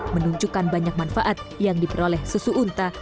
menunjukkan banyak manfaat yang diperoleh susu unta